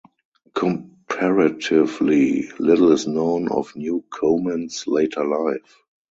Comparatively little is known of Newcomen's later life.